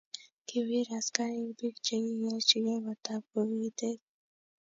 kibir askarik biik che kikikerjigei kootab bokitet